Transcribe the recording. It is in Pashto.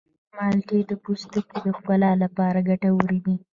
مالټې د پوستکي د ښکلا لپاره ګټورې دي.